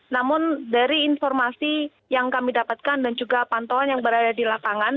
namun dari informasi yang kami dapatkan dan juga pantauan yang berada di lapangan